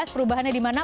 perubahannya di mana